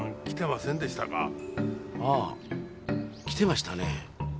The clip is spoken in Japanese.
ああ来てましたね。